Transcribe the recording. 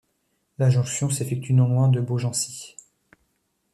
La jonction s'effectue non loin de Beaugency.